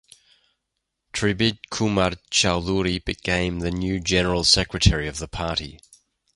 Tribid Kumar Chaudhuri became the new general secretary of the party.